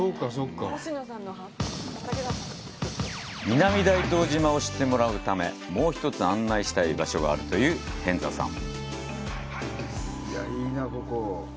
南大東島を知ってもらうため、もう１つ、案内したい場所があるという平安座さん。